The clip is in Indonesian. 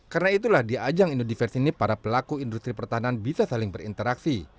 karena itulah di ajang indodiversi ini para pelaku industri pertahanan bisa saling berinteraksi